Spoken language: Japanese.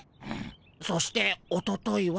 そしておとといは。